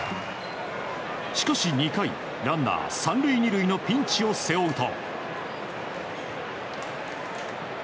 しかし２回、ランナー３塁２塁のピンチを背負うと。